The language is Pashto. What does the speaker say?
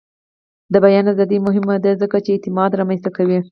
د بیان ازادي مهمه ده ځکه چې اعتماد رامنځته کوي.